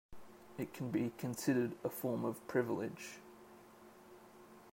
It can be considered a form of privilege.